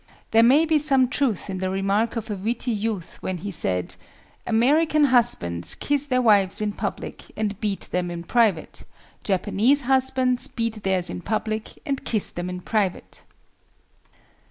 There may be some truth in the remark of a witty youth when he said, "American husbands kiss their wives in public and beat them in private; Japanese husbands beat theirs in public and kiss them in private."